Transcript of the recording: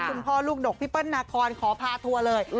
คุณพ่อลูกดกพี่เปิ้ลนาคอนขอพาทัวร์เลย